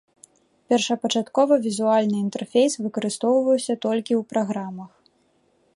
Першапачаткова візуальны інтэрфейс выкарыстоўваўся толькі ў праграмах.